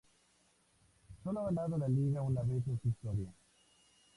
Solo ha ganado la liga una vez en su historia.